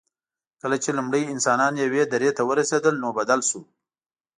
کله چې لومړي انسانان یوې درې ته ورسېدل، نو بدل شو.